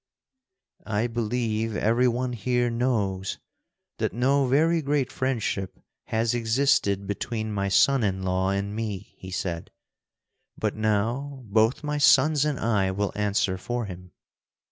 "I believe every one here knows that no very great friendship has existed between my son in law and me," he said; "but now both my sons and I will answer for him.